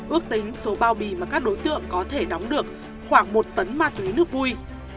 ước tính số bao bì mà các đối tượng có thể đóng được khoảng một tấn ma túy nước vui